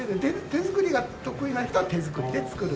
手作りが得意な人は手作りで作るっていう。